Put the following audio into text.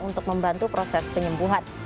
untuk membantu proses penyembuhan